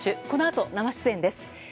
このあと生出演です。